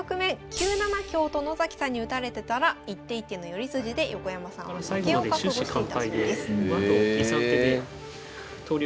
９七香と野崎さんに打たれてたら一手一手の寄り筋で横山さんは負けを覚悟していたそうです。